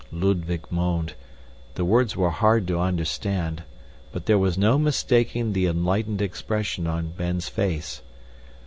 Ludwig moaned; the words were hard to understand, but there was no mistaking the enlightened expression on Ben's face.